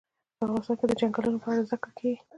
افغانستان کې د چنګلونه په اړه زده کړه کېږي.